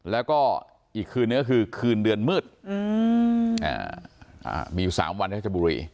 แล้วก็อีกคืนเนี่ยก็คือคืนเดือนมืดมี๓วันก็จะบุรี